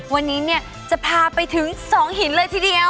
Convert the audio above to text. วันนี้เนี่ยจะพาไปถึง๒หินเลยทีเดียว